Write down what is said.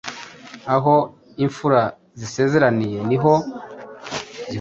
Aho imfura zisezeraniye ni ho zihurira.